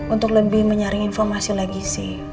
untuk lebih menyaring informasi lagi sih